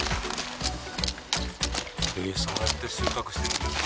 そうやって収穫してるんですね。